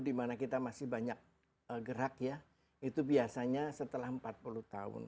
dimana kita masih banyak gerak ya